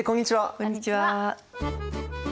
こんにちは。